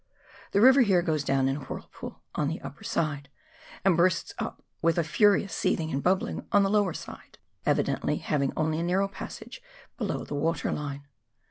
The river here goes down in a whirlpool, on the upper side, and bursts up with a furious seething and bubbling on the lower side, evidently having only a narrow passage below the water line.